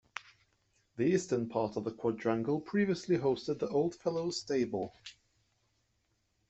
This Eastern part of the quadrangle previously hosted the old Fellow's Stables.